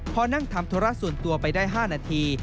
พอนั่งทำธุระส่วนตัวไปได้๕นาที